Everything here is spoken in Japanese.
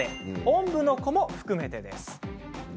おんぶの子も含めてです。